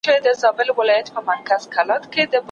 د برتري نقطه په علم کي پټه ده.